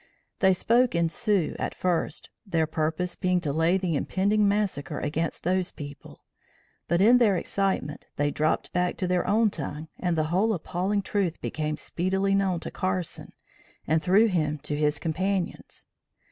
They spoke in Sioux at first, their purpose being to lay the impending massacre against those people, but in their excitement, they dropped back to their own tongue and the whole appalling truth became speedily known to Carson and through him to his companions.